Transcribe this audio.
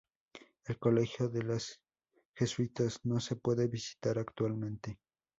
El colegio de los jesuitas no se puede visitar actualmente.